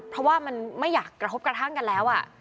เพราะว่ามันไม่อยากกระทบกระทั่งกันแล้ว